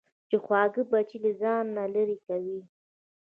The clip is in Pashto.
چې خواږه بچي له ځانه لېرې کوو.